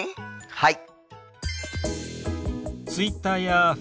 はい。